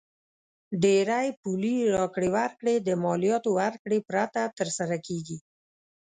ډېری پولي راکړې ورکړې د مالیاتو ورکړې پرته تر سره کیږي.